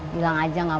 bilang aja gak mau